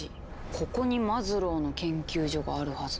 ここにマズローの研究所があるはずなんだけど。